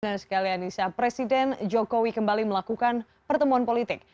dan sekali anissa presiden jokowi kembali melakukan pertemuan politik